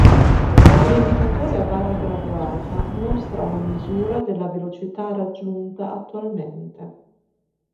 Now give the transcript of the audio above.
Un indicatore a barra graduata mostra una misura della velocità raggiunta attualmente.